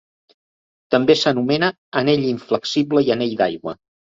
També s'anomena Anell Inflexible i Anell d'Aigua.